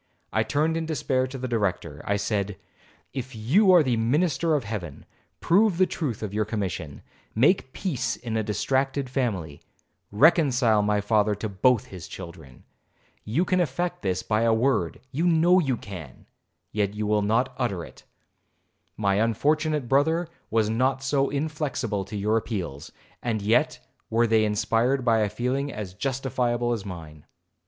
I turned in despair to the Director. I said, 'If you are the minister of Heaven, prove the truth of your commission,—make peace in a distracted family, reconcile my father to both his children. You can effect this by a word, you know you can, yet you will not utter it. My unfortunate brother was not so inflexible to your appeals, and yet were they inspired by a feeling as justifiable as mine.'